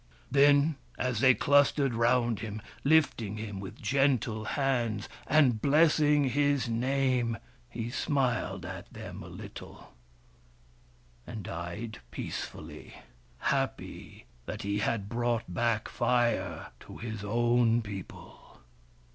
Then, as they clustered round him, lifting him with gentle hands and blessing his name, he smiled at them a little, and died peacefully, happy that he had brought back Fire to his own people.